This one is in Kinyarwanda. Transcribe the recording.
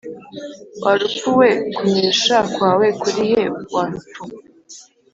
Wa rupfu we kunesha kwawe kuri he Wa rupfu